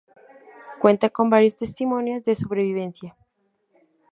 Cuenta con varios testimonios de sobrevivencia.